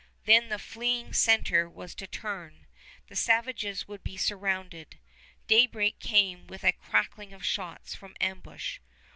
Then the fleeing center was to turn. The savages would be surrounded. Daybreak came with a cracking of shots from ambush.